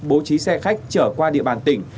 bố trí xe khách trở qua địa bàn tỉnh